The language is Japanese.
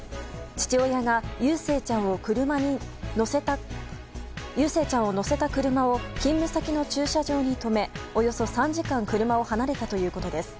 父親が祐誠ちゃんを乗せた車を勤務先の駐車場に止めおよそ３時間車を離れたということです。